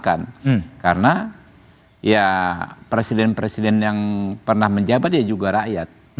karena ya presiden presiden yang pernah menjabat ya juga rakyat